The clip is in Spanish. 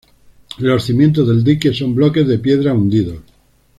Los cimientos del dique son bloques de piedra hundidos.